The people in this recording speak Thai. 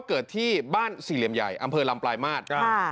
เกิดที่บ้านสี่เหลี่ยมใหญ่อำเภอลำปลายมาตร